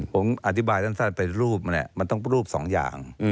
ผมอธิบายตั้งสั้นเป็นรูปมันเนี่ยมันต้องเป็นรูปสองอย่าง